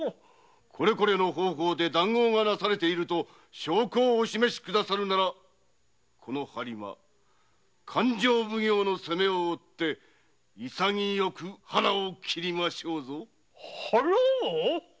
これこれの方法で談合ありと証拠をお示しくださるならこの播磨勘定奉行の責めを負って潔く腹を切りましょうぞ。